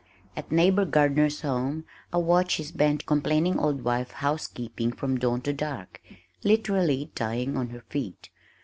At neighbor Gardner's home, I watched his bent complaining old wife housekeeping from dawn to dark, literally dying on her feet.